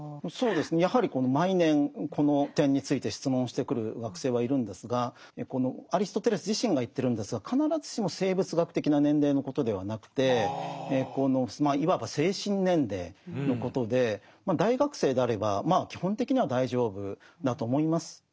やはり毎年この点について質問してくる学生はいるんですがアリストテレス自身が言ってるんですが必ずしも生物学的な年齢のことではなくてまあいわば精神年齢のことで大学生であればまあ基本的には大丈夫だと思います。